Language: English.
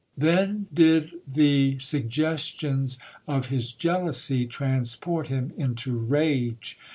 Then did the suggestions of his jealousy transport him into rage.